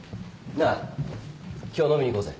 なあ今日飲みに行こうぜ。